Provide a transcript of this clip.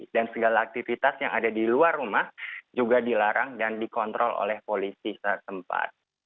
dan segala aktivitas yang ada di luar rumah juga dilarang dan dikontrol oleh polisi sesempat